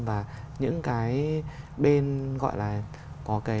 và những cái bên gọi là có cái